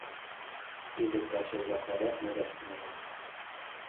Ӱдыр-каче-влак адак модаш тӱҥалыт.